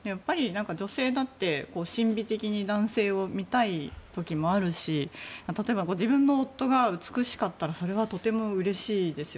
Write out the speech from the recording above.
女性だって、審美的に男性を見たい時もあるし例えばご自分の夫が美しかったらそれはとてもうれしいですよ